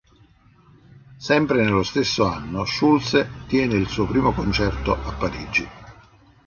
Sempre nello stesso anno, Schulze tiene il suo primo concerto a Parigi.